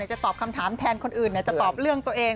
จะตอบคำถามแทนคนอื่นจะตอบเรื่องตัวเอง